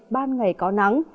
ban ngày có nắng